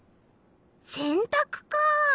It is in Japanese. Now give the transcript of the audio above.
せんたくかあ。